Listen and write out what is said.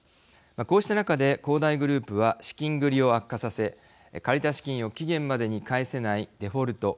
こうした中で恒大グループは資金繰りを悪化させ借りた資金を期限までに返せないデフォルト＝